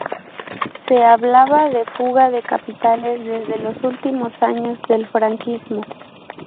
Se hablaba de fuga de capitales desde los últimos años del franquismo.